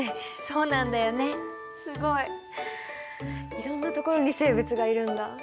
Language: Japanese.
いろんな所に生物がいるんだ。